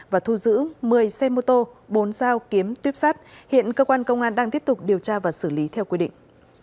và thu giữ một mươi xe mô tô bốn dao kiếm tuyếp sắt hiện cơ quan công an đang tiếp tục điều tra và xử lý theo quy định